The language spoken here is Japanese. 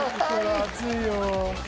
熱いよ。